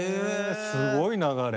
すごい流れ。